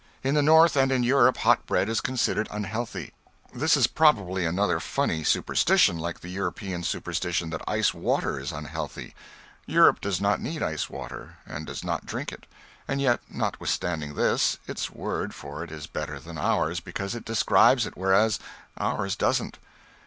In the North and in Europe hot bread is considered unhealthy. This is probably another fussy superstition, like the European superstition that ice water is unhealthy. Europe does not need ice water, and does not drink it; and yet, notwithstanding this, its word for it is better than ours, because it describes it, whereas ours doesn't.